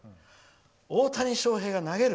大谷翔平が投げる。